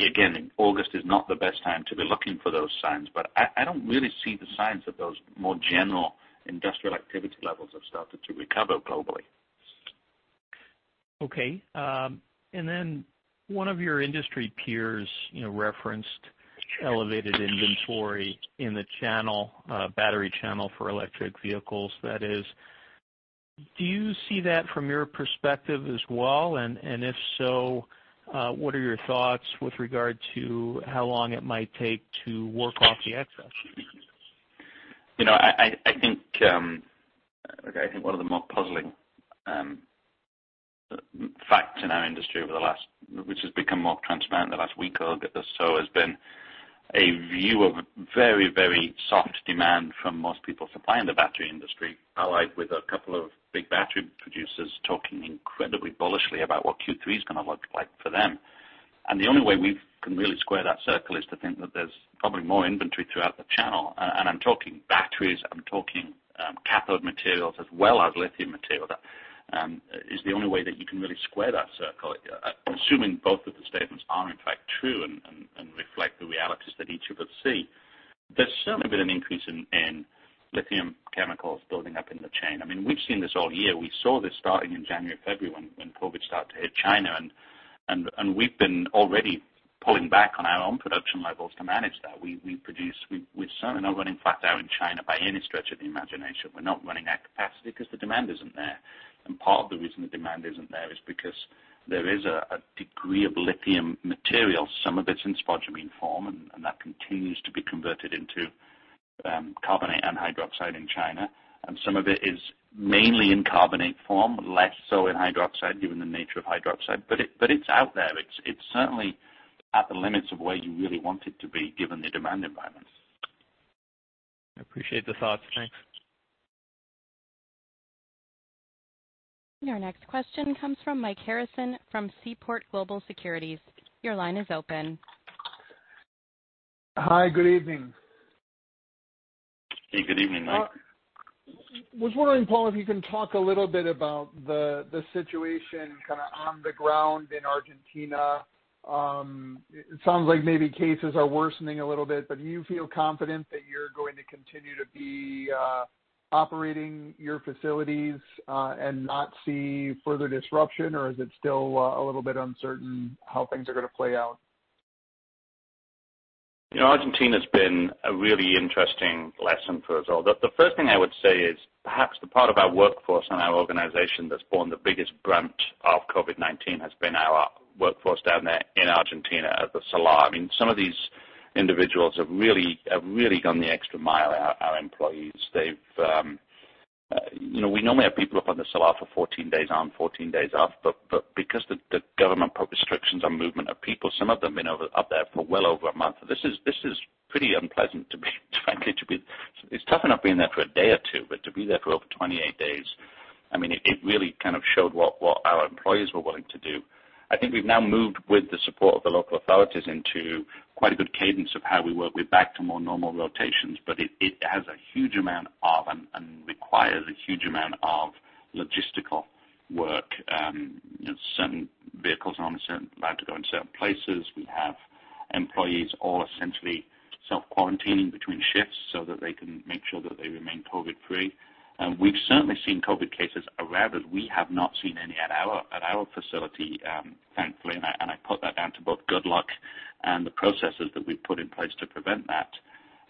Again, August is not the best time to be looking for those signs, but I don't really see the signs of those more general industrial activity levels have started to recover globally. Okay. One of your industry peers referenced elevated inventory in the battery channel for electric vehicles, that is. Do you see that from your perspective as well? If so, what are your thoughts with regard to how long it might take to work off the excess? I think one of the more puzzling facts in our industry, which has become more transparent in the last week or so, has been a view of very soft demand from most people supplying the battery industry, allied with a couple of big battery producers talking incredibly bullishly about what Q3 is going to look like for them. The only way we can really square that circle is to think that there's probably more inventory throughout the channel. I'm talking batteries, I'm talking cathode materials as well as lithium material. That is the only way that you can really square that circle, assuming both of the statements are in fact true and reflect the realities that each of us see. There's certainly been an increase in lithium chemicals building up in the chain. We've seen this all year. We saw this starting in January, February, when COVID started to hit China, and we've been already pulling back on our own production levels to manage that. We certainly are not running flat out in China by any stretch of the imagination. We're not running at capacity because the demand isn't there. Part of the reason the demand isn't there is because there is a degree of lithium material. Some of it's in spodumene form, and that continues to be converted into carbonate and hydroxide in China. Some of it is mainly in carbonate form, less so in hydroxide, given the nature of hydroxide. It's out there. It's certainly at the limits of where you really want it to be, given the demand environments. I appreciate the thoughts. Thanks. Your next question comes from Mike Harrison from Seaport Global Securities. Your line is open. Hi. Good evening. Hey, good evening, Mike. was wondering, Paul, if you can talk a little bit about the situation on the ground in Argentina. It sounds like maybe cases are worsening a little bit, but do you feel confident that you're going to continue to be operating your facilities and not see further disruption? Is it still a little bit uncertain how things are going to play out? Argentina's been a really interesting lesson for us all. The first thing I would say is perhaps the part of our workforce and our organization that's borne the biggest brunt of COVID-19 has been our workforce down there in Argentina at the Salar. Some of these individuals have really gone the extra mile, our employees. We normally have people up on the Salar for 14 days on, 14 days off, but because the government put restrictions on movement of people, some of them have been up there for well over a month. This is pretty unpleasant to be frankly. It's tough enough being there for a day or two, but to be there for over 28 days, it really showed what our employees were willing to do. I think we've now moved with the support of the local authorities into quite a good cadence of how we work. We're back to more normal rotations, but it has a huge amount of, and requires a huge amount of logistical work. Certain vehicles aren't allowed to go in certain places. We have employees all essentially self-quarantining between shifts so that they can make sure that they remain COVID-19 free. We've certainly seen COVID-19 cases around us. We have not seen any at our facility, thankfully, and I put that down to both good luck and the processes that we've put in place to prevent that.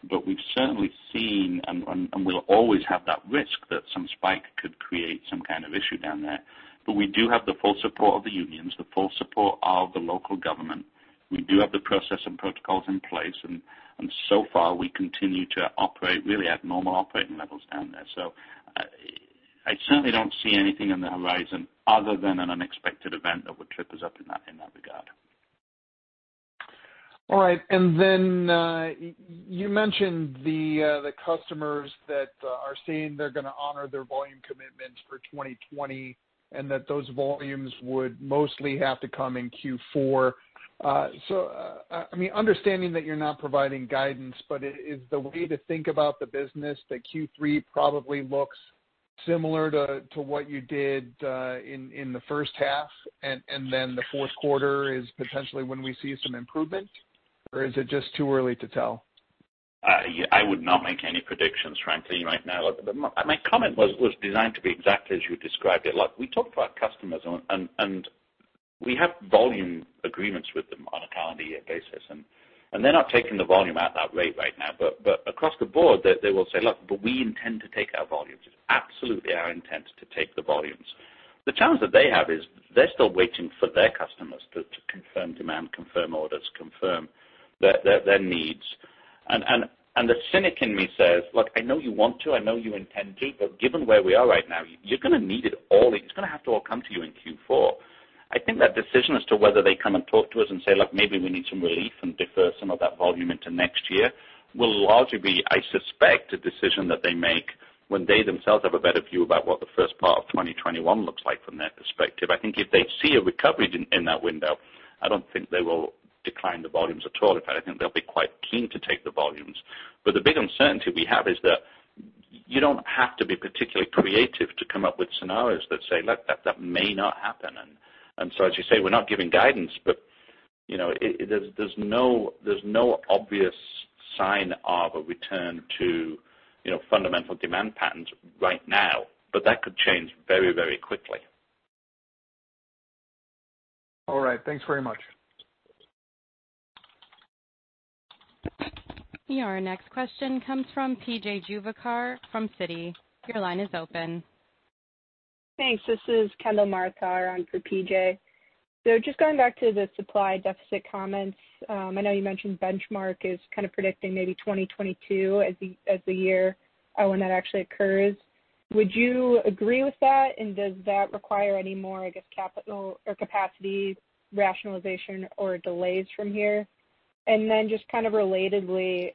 But we've certainly seen, and we'll always have that risk that some spike could create some kind of issue down there. But we do have the full support of the unions, the full support of the local government. We do have the process and protocols in place, and so far, we continue to operate really at normal operating levels down there. I certainly don't see anything on the horizon other than an unexpected event that would trip us up in that regard. All right. You mentioned the customers that are saying they're going to honor their volume commitments for 2020 and that those volumes would mostly have to come in Q4. Understanding that you're not providing guidance, is the way to think about the business that Q3 probably looks similar to what you did in the first half, and then the fourth quarter is potentially when we see some improvement, or is it just too early to tell? I would not make any predictions, frankly, right now. My comment was designed to be exactly as you described it. We talk to our customers and we have volume agreements with them on a calendar year basis. They're not taking the volume at that rate right now. Across the board, they will say, "Look, but we intend to take our volumes. It's absolutely our intent to take the volumes." The challenge that they have is they're still waiting for their customers to confirm demand, confirm orders, confirm their needs. The cynic in me says, "Look, I know you want to, I know you intend to, but given where we are right now, you're going to need it all. It's going to have to all come to you in Q4." I think that decision as to whether they come and talk to us and say, "Look, maybe we need some relief and defer some of that volume into next year," will largely be, I suspect, a decision that they make when they themselves have a better view about what the first part of 2021 looks like from their perspective. I think if they see a recovery in that window, I don't think they will decline the volumes at all. In fact, I think they'll be quite keen to take the volumes. The big uncertainty we have is that you don't have to be particularly creative to come up with scenarios that say, "Look, that may not happen." As you say, we're not giving guidance, but there's no obvious sign of a return to fundamental demand patterns right now. That could change very quickly. All right. Thanks very much. Your next question comes from P.J. Juvekar from Citi. Your line is open. Thanks. This is Kendall Martha on for PJ. Just going back to the supply deficit comments. I know you mentioned Benchmark is kind of predicting maybe 2022 as the year when that actually occurs. Would you agree with that? Does that require any more, I guess, capital or capacity rationalization or delays from here? Then just kind of relatedly,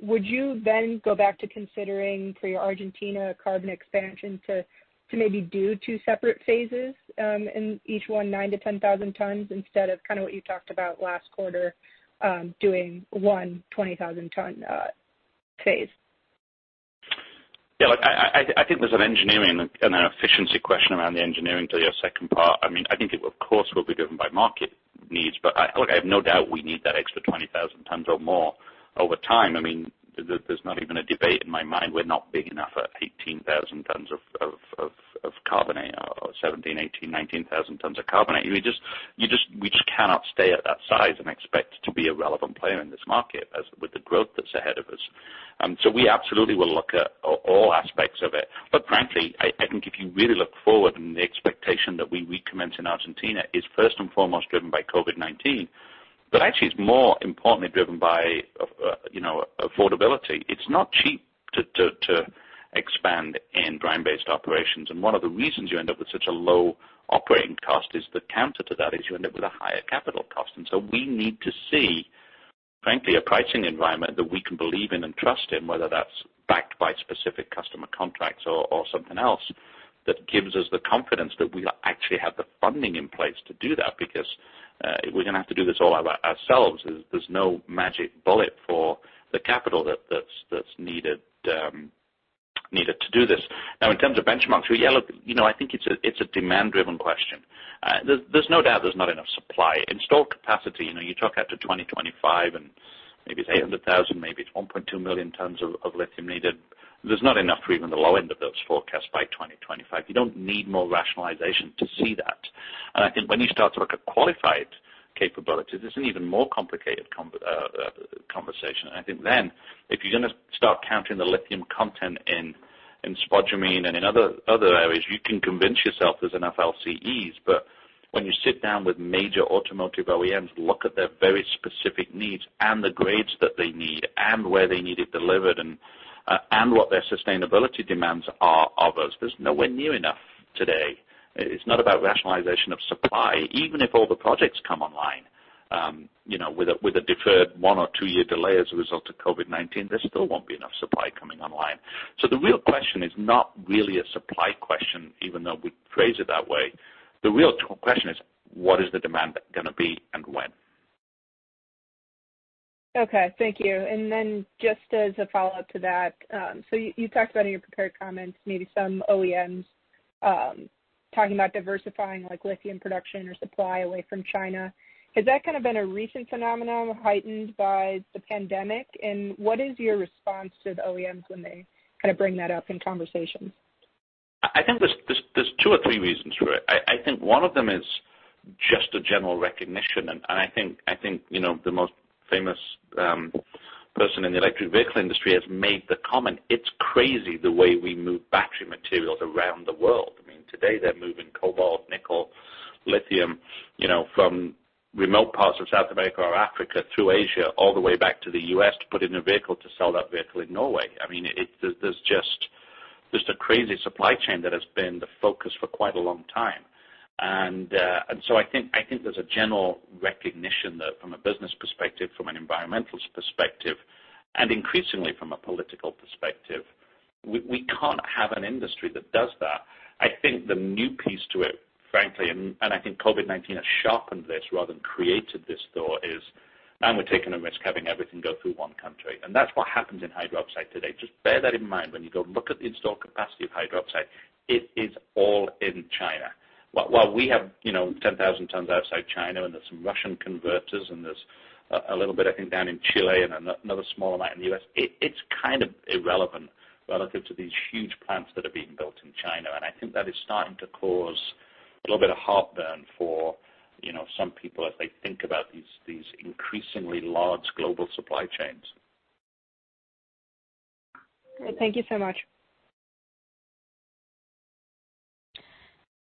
would you then go back to considering for your Argentina carbon expansion to maybe do two separate phases, and each one 9,000-10,000 tons instead of kind of what you talked about last quarter, doing one 20,000 ton phase? Look, I think there's an engineering and an efficiency question around the engineering to your second part. I think it of course, will be driven by market needs, but look, I have no doubt we need that extra 20,000 tons or more over time. There's not even a debate in my mind. We're not big enough at 18,000 tons of carbonate or 17,000, 18,000, 19,000 tons of carbonate. We just cannot stay at that size and expect to be a relevant player in this market with the growth that's ahead of us. We absolutely will look at all aspects of it. Frankly, I think if you really look forward and the expectation that we recommence in Argentina is first and foremost driven by COVID-19. Actually it's more importantly driven by affordability. It's not cheap to expand in brine-based operations, and one of the reasons you end up with such a low operating cost is the counter to that is you end up with a higher capital cost. We need to see, frankly, a pricing environment that we can believe in and trust in, whether that's backed by specific customer contracts or something else that gives us the confidence that we actually have the funding in place to do that because if we're going to have to do this all ourselves, there's no magic bullet for the capital that's needed to do this. Now in terms of benchmarks, yeah, look, I think it's a demand-driven question. There's no doubt there's not enough supply. Installed capacity, you talk out to 2025 and maybe it's 800,000, maybe it's 1.2 million tons of lithium needed. There's not enough for even the low end of those forecasts by 2025. You don't need more rationalization to see that. I think when you start to look at qualified capabilities, it's an even more complicated conversation. I think then if you're going to start counting the lithium content in spodumene and in other areas, you can convince yourself there's enough LCEs. When you sit down with major automotive OEMs, look at their very specific needs and the grades that they need and where they need it delivered and what their sustainability demands are of us, there's nowhere near enough today. It's not about rationalization of supply. Even if all the projects come online with a deferred one or two year delay as a result of COVID-19, there still won't be enough supply coming online. The real question is not really a supply question, even though we phrase it that way. The real question is what is the demand going to be and when. Okay, thank you. Just as a follow-up to that, you talked about in your prepared comments, maybe some OEMs talking about diversifying like lithium production or supply away from China. Has that kind of been a recent phenomenon heightened by the pandemic? What is your response to the OEMs when they kind of bring that up in conversations? I think there's two or three reasons for it. I think one of them is just a general recognition, and I think the most famous person in the electric vehicle industry has made the comment, it's crazy the way we move battery materials around the world. Today they're moving cobalt, nickel, lithium from remote parts of South America or Africa through Asia all the way back to the U.S. to put in a vehicle to sell that vehicle in Norway. There's just a crazy supply chain that has been the focus for quite a long time. I think there's a general recognition that from a business perspective, from an environmental perspective, and increasingly from a political perspective, we can't have an industry that does that. I think the new piece to it, frankly, and I think COVID-19 has sharpened this rather than created this thought is, man, we're taking a risk having everything go through one country. That's what happens in hydroxide today. Just bear that in mind when you go look at the installed capacity of hydroxide. It is all in China. While we have 10,000 tons outside China, and there's some Russian converters and there's a little bit, I think, down in Chile and another small amount in the U.S., it's kind of irrelevant relative to these huge plants that are being built in China. I think that is starting to cause a little bit of heartburn for some people as they think about these increasingly large global supply chains. Great. Thank you so much.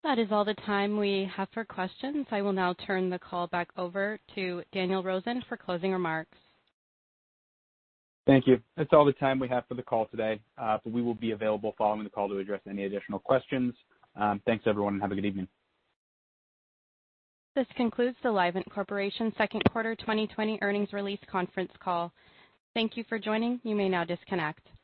That is all the time we have for questions. I will now turn the call back over to Daniel Rosen for closing remarks. Thank you. That's all the time we have for the call today, but we will be available following the call to address any additional questions. Thanks everyone and have a good evening. This concludes the Livent Corporation second quarter 2020 earnings release conference call. Thank you for joining. You may now disconnect.